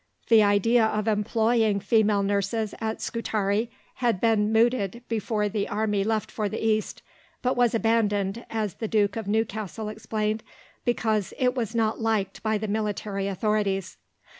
The idea of employing female nurses at Scutari had been mooted before the army left for the East, but was abandoned, as the Duke of Newcastle explained, because "it was not liked by the military authorities."